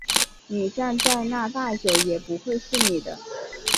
你站在那再久也不会是你的